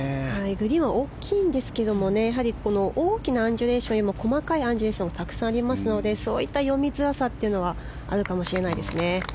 グリーンは大きいんですが大きなアンジュレーションよりも細かいアンジュレーションがたくさんありますのでそういった読みづらさがあるかもしれません。